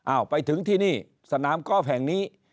ไปถึงที่นี่สนามกอล์ฟแห่งนี้